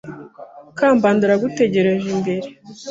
Kambanda aragutegereje imbere.